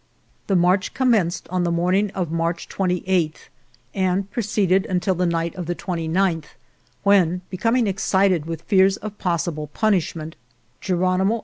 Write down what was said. The march commenced on the morning ^> of March 28 and proceeded until the night of the 29th, when, becoming excited with fears of possible punishment, Geronimo 162 Emma Tuki.